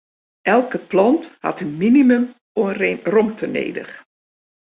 Elke plant hat in minimum oan romte nedich.